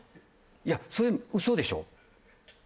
いやそれウソでしょ？